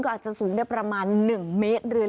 อาจจะสูงได้ประมาณ๑เมตรเรือ